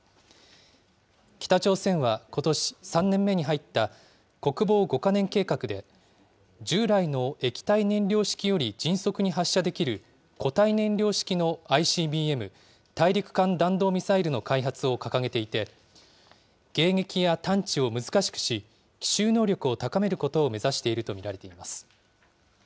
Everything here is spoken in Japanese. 北朝鮮はことし、３年目に入った国防５か年計画で、従来の液体燃料式より迅速に発射できる固体燃料式のＩＣＢＭ・大陸間弾道ミサイルの開発を掲げていて、迎撃や探知を難しくし、奇襲能力を高めることを目指していると見られます。